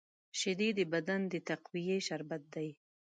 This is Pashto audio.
شیدې د بدن د تقویې شربت دی